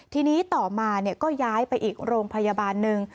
ทีนี้ต่อมาก็ย้ายไปอีกโรงพยาบาลหนึ่ง